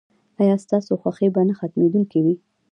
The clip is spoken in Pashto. ایا ستاسو خوښي به نه ختمیدونکې وي؟